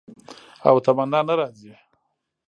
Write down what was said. او تمنا نه راځي